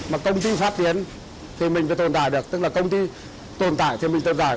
mà công ty phát triển thì mình sẽ tồn tại được tức là công ty tồn tại thì mình tồn tại